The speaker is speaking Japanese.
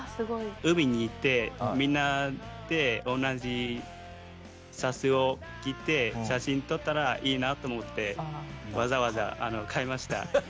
海に行ってみんなで同じシャツを着て写真撮ったらいいなと思ってわざわざ買いました。